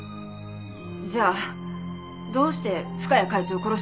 じゃあどうして深谷会長を殺したんですか？